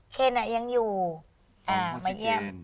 เคนยังอยู่มาเยี่ยม